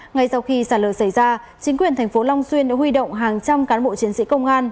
ngay sau khi sạt lở xảy ra chính quyền thành phố long xuyên đã huy động hàng trăm cán bộ chiến sĩ công an